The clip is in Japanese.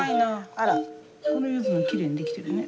あらこのゆずもきれいに出来てるね。